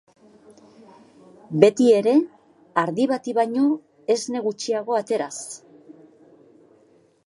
Beti ere ardi bati baino esne gutxiago ateraz.